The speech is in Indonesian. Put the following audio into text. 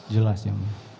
jelas yang boleh